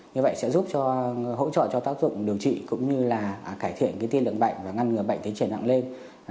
như vậy sẽ giúp hỗ trợ cho tác dụng điều trị cũng như là cải thiện tiên lượng bệnh và ngăn ngừa bệnh tính trẻ nặng lên